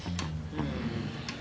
うん。